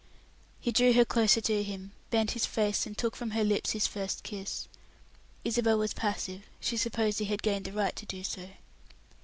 He drew her closer to him, bent his face, and took from her lips his first kiss. Isabel was passive; she supposed he had gained the right to do so.